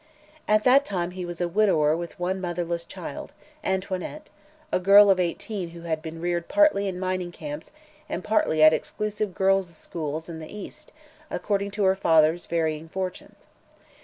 At that time he was a widower with one motherless child Antoinette a girl of eighteen who had been reared partly in mining camps and partly at exclusive girls' schools in the East, according to her father's varying fortunes.